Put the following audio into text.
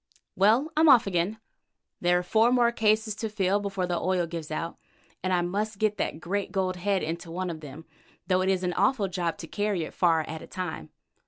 Well, I'm off again. There are four more cases to fill before the oil gives out, and I must get that great gold head into one of them, though it is an awful job to carry it far at a time.